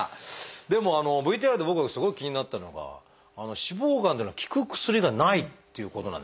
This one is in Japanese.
でもＶＴＲで僕すごい気になったのが脂肪肝っていうのは効く薬がないっていうことなんですね。